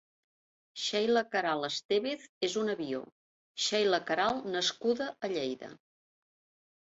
Sheila Queralt Estevez és una bio Sheila Queralt nascuda a Lleida.